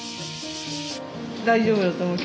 大丈夫だと思う。